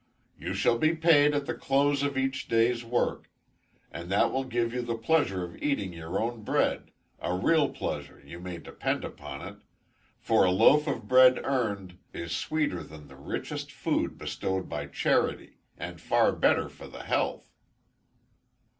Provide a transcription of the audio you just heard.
"You shall be paid at the close of each day's work; and that will give you the pleasure of eating your own bread a real pleasure, you may depend upon it; for a loaf of bread earned is sweeter than the richest food bestowed by charity, and far better for the health."